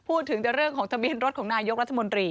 พูดถึงแต่เรื่องของทะเบียนรถของนายกรัฐมนตรี